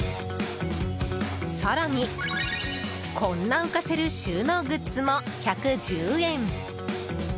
更に、こんな浮かせる収納グッズも、１１０円。